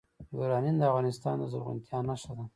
یورانیم د افغانستان د زرغونتیا نښه ده.